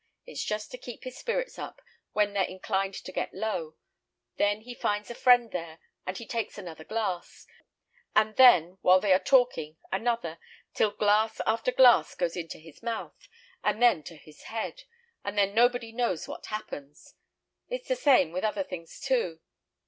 It is just to keep his spirits up when they're inclined to get low; then he finds a friend there, and he takes another glass; and then, while they are talking, another, till glass after glass goes into his mouth, and then to his head, and then nobody knows what happens. It's the same with other things too.